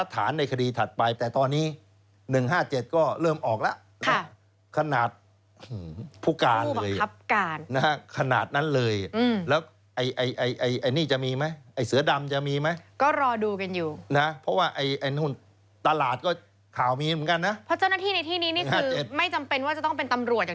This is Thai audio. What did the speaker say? ๒ท่านบอกผู้อยู่ใกล้ที่เกิดเห็นแอ้พวกเห็น